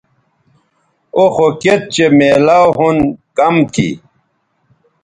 او خو کِت چہء میلاو ھُن کم تھی